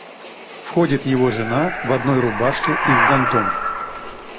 Входит его жена в одной рубашке и с зонтом.